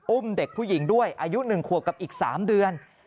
อุ้มเด็กผู้หญิงด้วยอายุ๑ขวบกับอีก๓เดือน